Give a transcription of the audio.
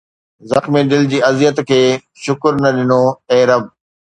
زخم دل جي اذيت کي شڪر نه ڏنو، اي رب